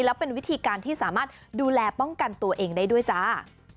แล้วเป็นวิธีการที่สามารถดูแลป้องกันตัวเองได้ด้วยจ้า